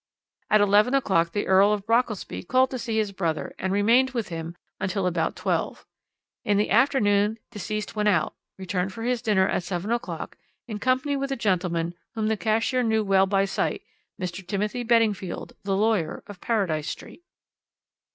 "At eleven o'clock the Earl of Brockelsby called to see his brother and remained with him until about twelve. In the afternoon the deceased went out, and returned for his dinner at seven o'clock in company with a gentleman whom the cashier knew well by sight, Mr. Timothy Beddingfield, the lawyer, of Paradise Street.